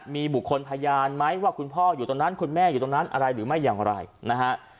มีบุคคลพยานไหมว่าคุณพ่ออยู่ตรงนั้นคุณแม่อยู่ตรงนั้นอะไรหรือไม่อย่างไรนะฮะ